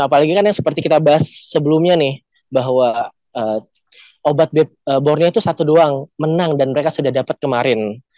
apalagi kan yang seperti kita bahas sebelumnya nih bahwa obat bornya itu satu doang menang dan mereka sudah dapat kemarin